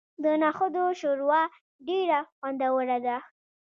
د نخودو شوروا ډیره خوندوره ده.